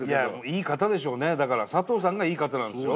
いい方でしょうねだから佐藤さんがいい方なんですよ。